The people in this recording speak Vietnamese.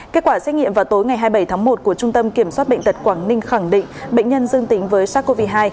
kết quả xét nghiệm vào tối ngày hai mươi bảy tháng một của trung tâm kiểm soát bệnh tật quảng ninh khẳng định bệnh nhân dương tính với sars cov hai